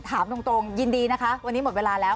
ถามตรงยินดีนะคะวันนี้หมดเวลาแล้ว